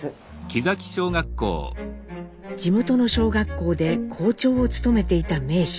地元の小学校で校長を務めていた名士。